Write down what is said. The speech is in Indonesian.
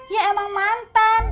ya emang mantan